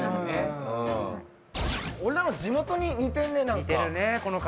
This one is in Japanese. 俺らの地元に似てるね、なんか。